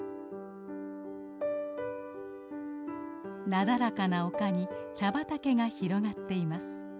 なだらかな丘に茶畑が広がっています。